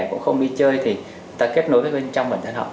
cũng không đi chơi thì người ta kết nối với bên trong bản thân họ